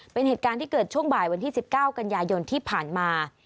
เป็นเหตุการณ์ที่เกิดช่วงบ่ายวันที่๑๙กันยายนที่ผ่านมา